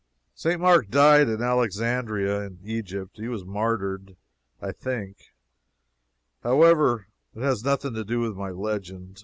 St. Mark died at Alexandria, in Egypt. He was martyred, I think. However, that has nothing to do with my legend.